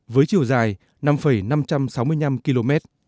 với chiều dài năm năm trăm sáu mươi năm km